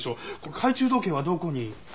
懐中時計はどこに？